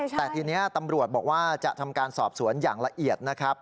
แต่ทีนี้ตำรวจบอกว่าจะทำการสอบสวนอย่างละเอียดนะครับ